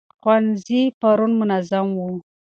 ښوونځي پرون منظم وو.